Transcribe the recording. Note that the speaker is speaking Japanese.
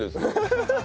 ハハハハ。